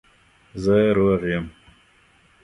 زه روغ یم